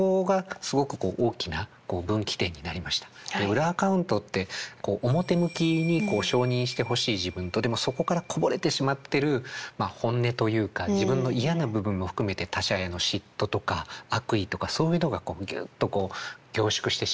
裏アカウントって表向きに承認してほしい自分とでもそこからこぼれてしまってる本音というか自分の嫌な部分も含めて他者への嫉妬とか悪意とかそういうのがギュッとこう凝縮してしまっている。